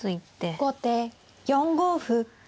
後手４五歩。